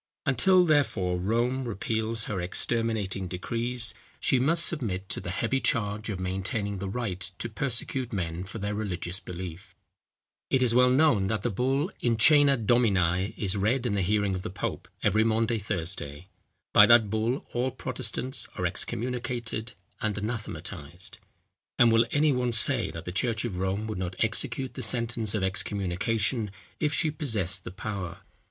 Until, therefore, Rome repeals her exterminating decrees, she must submit to the heavy charge of maintaining the right to persecute men for their religious belief. It is well known that the BULL IN CŒNA DOMINI is read in the hearing of the pope every Maunday Thursday. By that bull all Protestants are excommunicated and anathematized; and will any one say that the church of Rome would not execute the sentence of excommunication if she possessed the power?